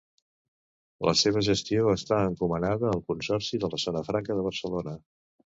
La seva gestió està encomanada al Consorci de la Zona Franca de Barcelona.